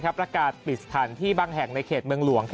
ประกาศปิดสถานที่บางแห่งในเขตเมืองหลวง